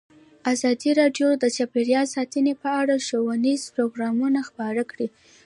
ازادي راډیو د چاپیریال ساتنه په اړه ښوونیز پروګرامونه خپاره کړي.